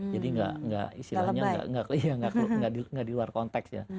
jadi gak gak istilahnya gak di luar konteks ya